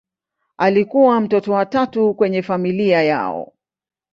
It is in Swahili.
Alikuwa mtoto wa tatu kwenye familia yao.